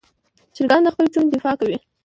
چرګان د خپل چوڼې دفاع کوي.